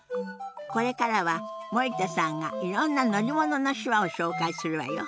これからは森田さんがいろんな乗り物の手話を紹介するわよ。